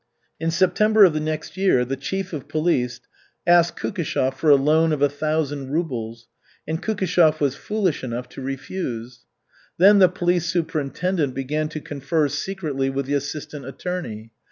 In September of the next year the chief of police asked Kukishev for a "loan" of a thousand rubles and, Kukishev was foolish enough to refuse. Then the police superintendent began to confer secretly with the assistant attorney.